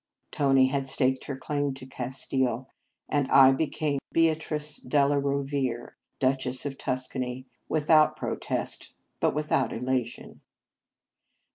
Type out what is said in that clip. Tony had staked her claim to Castile; and I became Beatrice della Rovere, Duchess of Tuscany, without protest, but without elation.